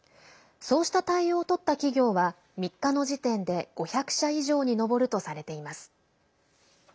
そうした対応をとった企業は３日の時点で５００社以上に上るとされています。